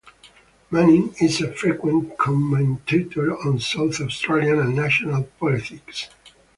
Manning is a frequent commentator on South Australian and national politics.